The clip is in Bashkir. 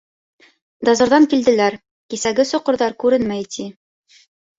— Дозорҙан килделәр, кисәге соҡорҙар күренмәй, ти.